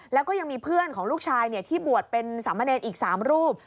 แล้วก็ยังมีเพื่อนของลูกชายที่บวชเป็นสามเณรอีก๓รูป